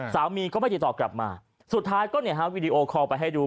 สามีก็ไม่ติดต่อกลับมาสุดท้ายก็เนี่ยฮะวีดีโอคอลไปให้ดู